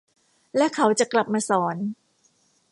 และเขาจะกลับมาสอน